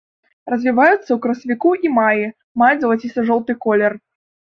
Развіваюцца ў красавіку і маі, маюць залаціста-жоўты колер.